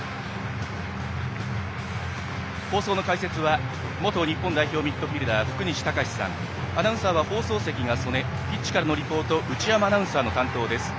放送の解説は元日本代表ミッドフィールダー福西崇史さんアナウンサーは放送席が曽根ピッチからのリポート内山アナウンサーの担当です。